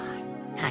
はい。